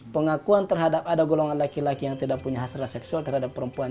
pengakuan terhadap ada golongan laki laki yang tidak punya hasrat seksual terhadap perempuan